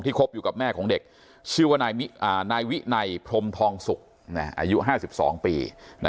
คบอยู่กับแม่ของเด็กชื่อว่านายวินัยพรมทองสุกอายุ๕๒ปี